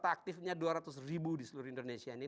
aktifnya dua ratus ribu di seluruh indonesia ini